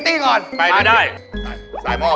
ส้ายเหี้ยวไป